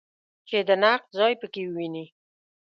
چې د نقد ځای په کې وویني.